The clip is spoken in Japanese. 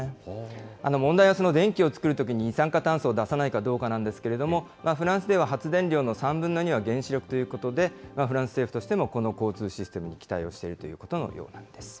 問題はその電気を作るときに、二酸化炭素を出さないかどうかなんですけれども、フランスでは発電量の３分の２は原子力ということで、フランス政府としても、この交通システムに期待をしていることのようなんです。